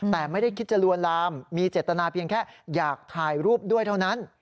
แต่ไม่ได้คิดจะลวนลามมีเจตนาเพียงแค่อยากถ่ายรูปด้วยเท่านั้น